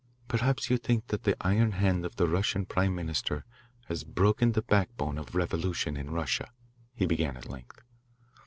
"Perhaps you think that the iron hand of the Russian prime minister has broken the backbone of revolution in Russia," he began at length.